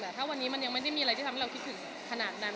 แต่ถ้าวันนี้มันยังไม่ได้มีอะไรที่ทำให้เราคิดถึงขนาดนั้น